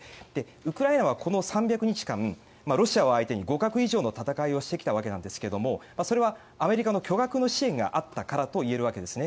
ウクライナはこの３００日間ロシアを相手に互角以上の戦いをしてきたわけなんですがそれはアメリカの巨額の支援があったからといえるわけですね。